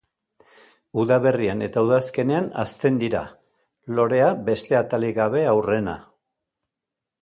Udaberrian eta udazkenean hazten dira, lorea beste atalik gabe aurrena.